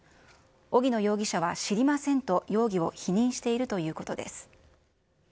荻野容疑者は知りませんと容疑を否認しているということです。